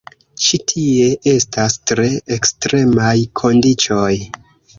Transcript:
Ĉi tie estas tre ekstremaj kondiĉoj.